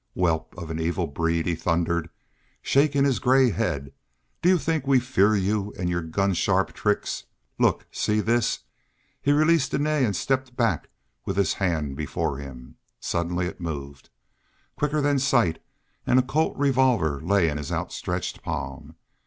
"Whelp of an evil breed!" he thundered, shaking his gray head. "Do you think we fear you and your gunsharp tricks? Look! See this!" He released Dene and stepped back with his hand before him. Suddenly it moved, quicker than sight, and a Colt revolver lay in his outstretched palm.